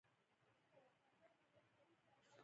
په داسې حال کې چې د ختیځې اسیا هېوادونو وده تجربه کړه.